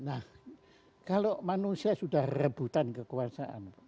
nah kalau manusia sudah rebutan kekuasaan